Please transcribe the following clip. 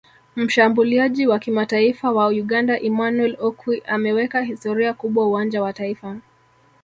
Mshambuliaji wa kimataifa wa Uganda Emmanuel Okwi ameweka historia kubwa uwanja wa taifa